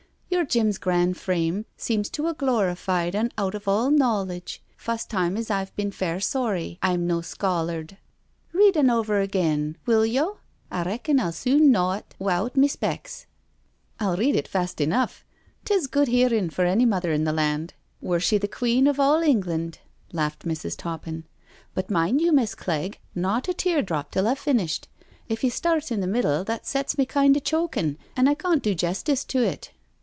" Your Jim's gran' frame seems to a glorified un out of all knowledge. Fust time as I've bin fair sorry I'm no scholard* Read un over agin, will yo'? I reckon I'll sune knaw it wi'out me specs." " I'll read it fast enough— 'tis good hearin' for any mother in the land— were she the Queen of all Eng land," laughed Mrs. Toppin* *' But mind you. Miss' Clegg, not a tear drop till I've finished— if you start in the middle that sets me kind o' chokin', an' I cawn't do jestice to it."